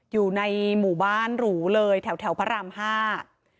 อยู่ในหมู่บ้านหรูเลยแถวแถวพระรามห้า